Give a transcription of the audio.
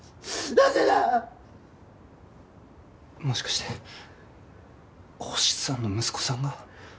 もしかして星さんの息子さんが？